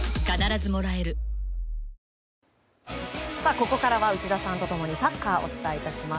ここからは内田さんとともにサッカーをお伝えいたします。